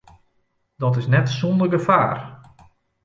Dat is net sûnder gefaar.